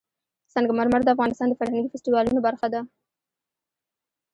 سنگ مرمر د افغانستان د فرهنګي فستیوالونو برخه ده.